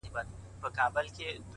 پوهه د تیارو ذهنونو رڼا ده,